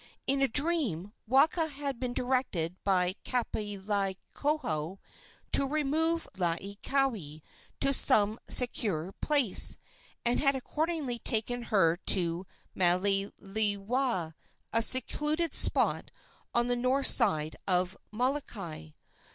In a dream Waka had been directed by Kapukaihaoa to remove Laieikawai to some securer place, and had accordingly taken her to Malelewaa, a secluded spot on the north side of Molokai.